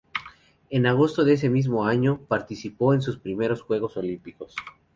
En agosto de ese mismo año, participó en sus primeros Juegos Olímpicos.